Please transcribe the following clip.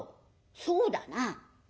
そうだな。